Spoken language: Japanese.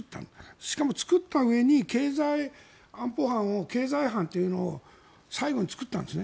しかも作ったうえに経済安保班、経済班というのを最後に作ったんですね。